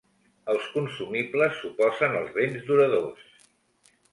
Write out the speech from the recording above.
Els consumibles s'oposen als béns duradors.